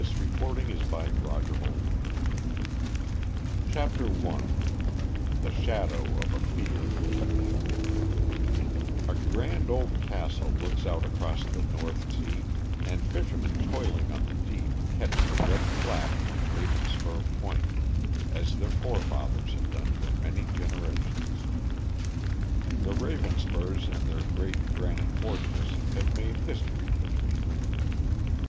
Page 110.] THE MYSTERY OF THE RAVENSPURS CHAPTER I THE SHADOW OF A FEAR A grand old castle looks out across the North Sea, and fishermen toiling on the deep catch the red flash from Ravenspur Point, as their forefathers have done for many generations. The Ravenspurs and their great granite fortress have made history between them.